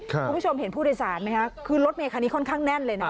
คุณผู้ชมเห็นผู้โดยสารไหมคะคือรถเมคันนี้ค่อนข้างแน่นเลยนะ